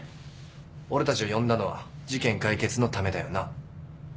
俺たちを呼んだのは事件解決のためだよな？